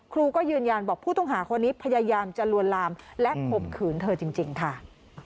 ครูก็ยืนยันบอกผู้ต้องหาคนนี้พยายามจะลวนลามและข่มขืนเธอจริงค่ะ